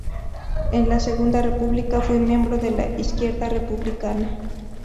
En la Segunda república fue miembro de la Izquierda Republicana.